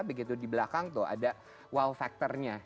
begitu di belakang tuh ada wow factornya